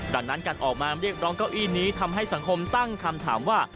ดังนั้นการออกมาเรียกร้องเก้าอี้นี้ทำให้สังคมตั้งคำถามว่า